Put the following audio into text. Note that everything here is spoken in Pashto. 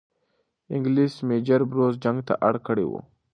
انګلیس میجر بروز جنگ ته اړ کړی وو.